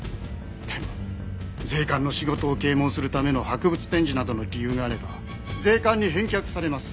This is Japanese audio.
でも税関の仕事を啓蒙するための博物展示などの理由があれば税関に返却されます。